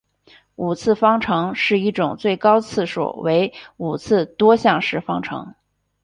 五次方程是一种最高次数为五次的多项式方程。